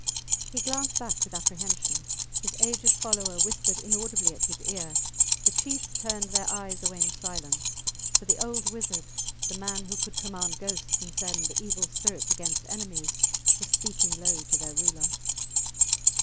He glanced back with apprehension; his aged follower whispered inaudibly at his ear; the chiefs turned their eyes away in silence, for the old wizard, the man who could command ghosts and send evil spirits against enemies, was speaking low to their ruler.